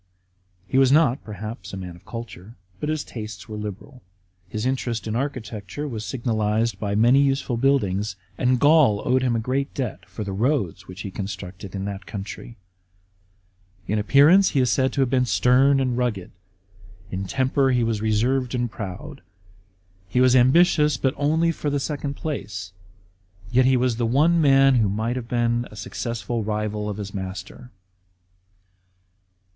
He was not, perhaps, a man of culture, but Ms tastes were liberal. His interest in architecture was signalised by many useful buildings ; and Gaul owed him a great debt for the roads which he constructed in that country. In appearance he is said to have been stern and rngized; in temper he was reserved and proud. He was ambitious, but only for the second place ; yet he was the one man who might have been a successful rival of his master.